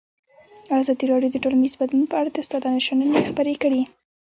ازادي راډیو د ټولنیز بدلون په اړه د استادانو شننې خپرې کړي.